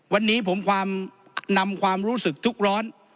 วันนี้ผมความนำความรู้สึกทุกร้อน